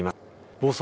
房総